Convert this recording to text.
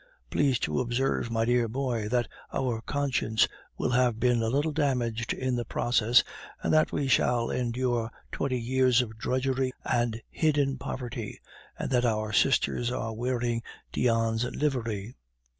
Please to observe, my dear boy, that our conscience will have been a little damaged in the process, and that we shall endure twenty years of drudgery and hidden poverty, and that our sisters are wearing Dian's livery.